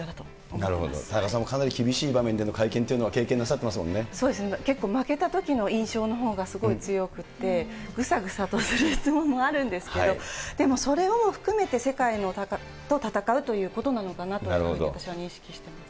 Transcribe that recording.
なるほど、田中さんもかなり厳しい場面での会見というのは経験なさってますそうですね、結構負けたときの印象のほうがすごい強くて、ぐさぐさとする質問もあるんですけど、でもそれを含めて世界と戦うということなのかなと私は認識しています。